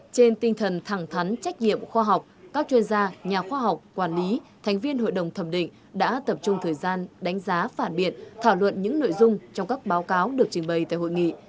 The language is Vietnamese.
trên tinh thần thẳng thắn trách nhiệm khoa học các chuyên gia nhà khoa học quản lý thành viên hội đồng thẩm định đã tập trung thời gian đánh giá phản biện thảo luận những nội dung trong các báo cáo được trình bày tại hội nghị